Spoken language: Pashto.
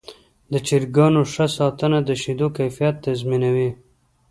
د چرګانو ښه ساتنه د شیدو کیفیت تضمینوي.